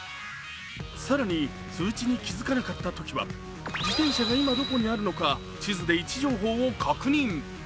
更に、通知に気付かなかったときは自転車が今どこにあるのか地図で位置情報を確認。